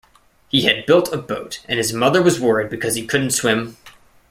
He had built a boat, and his mother was worried because he couldn't swim.